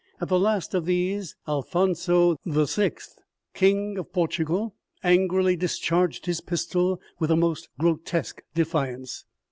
At the last of these Alphonso vi., king of Portugal, angrily discharged his pistol, with the most grotesque defiance.